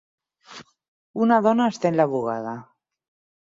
Una dona estén la bugada.